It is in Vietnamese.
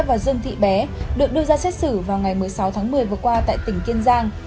và dương thị bé được đưa ra xét xử vào ngày một mươi sáu tháng một mươi vừa qua tại tỉnh kiên giang